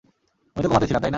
আমি তো কোমাতে ছিলাম, তাই না?